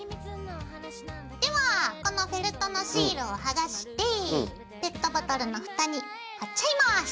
ではこのフェルトのシールを剥がしてペットボトルのふたに貼っちゃいます！